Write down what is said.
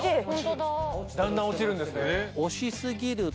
だんだん落ちるんですね。